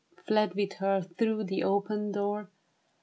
* Fled with her through the open door.